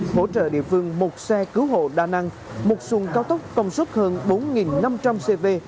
hỗ trợ địa phương một xe cứu hộ đa năng một xuồng cao tốc công suất hơn bốn năm trăm linh cv